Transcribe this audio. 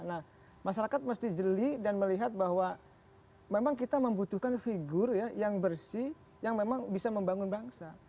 nah masyarakat mesti jeli dan melihat bahwa memang kita membutuhkan figur yang bersih yang memang bisa membangun bangsa